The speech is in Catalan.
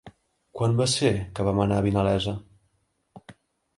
Quan va ser que vam anar a Vinalesa?